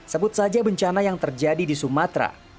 sebut saja bencana yang terjadi di sumatera